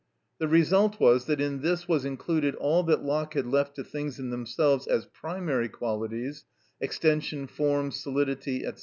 The result was, that in this was included all that Locke had left to things in themselves as primary qualities—extension, form, solidity, &c.